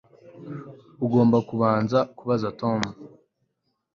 Ugomba kubanza kubaza Tom